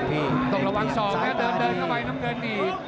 ต้องระวังสอบแล้วเดินเข้าไปน้ำเกินอีก